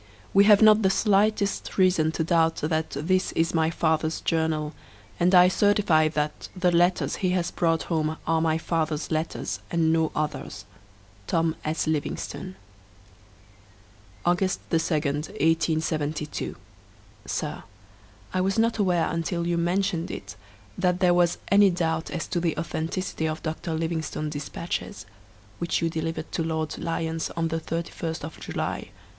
We have not the slightest reason to doubt that this is my father's journal, and I certify that the letters he has brought home are my father's letters, and no others. Tom S. Livingstone oooo August 2, 1872. Sir, I was not aware until you mentioned it that there was any doubt as to the authenticity of Dr. Livingstone's despatches, which you delivered to Lord Lyons on the 31st of July.